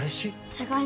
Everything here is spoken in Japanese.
違います。